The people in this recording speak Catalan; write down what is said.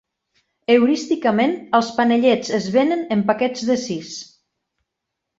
Heurísticament, els panellets es vénen en paquets de sis.